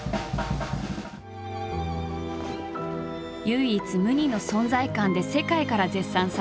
唯一無二の存在感で世界から絶賛され